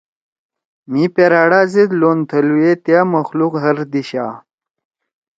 مھی پرأٹھ زید لون تھلُوئے تیا مخلوق ھر دیِشا